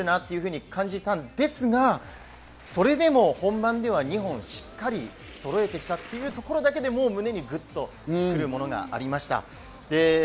風に苦しんでるなと感じたんですが、それでも本番では２本しっかりそろえてきたというところでも、胸にグッとくるものがありました。